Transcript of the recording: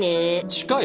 近い？